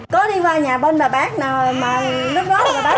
có đi qua nhà bên bà bác nào mà lúc đó bà bác có bị rồi đó